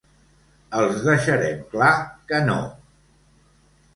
Els deixarem clar que no!